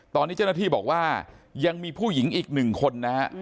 ตอนนี้เจ้าหน้าที่บอกว่ายังมีผู้หญิงอีก๑คน